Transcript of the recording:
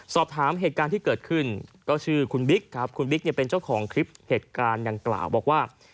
สอบถามเหตุการณ์ที่เกิดขึ้นก็ชื่อคุณบิ๊กครับคุณบิ๊กเนี่ยเป็นเจ้าของคลิปเหตุการณ์ดังกล่าวบอกว่า